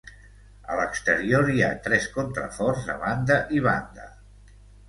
A l'exterior hi ha tres contraforts a banda i banda.